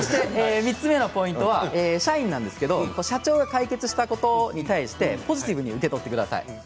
３つ目のポイントは社員は社長が解決したことに対してポジティブに受け取ってください。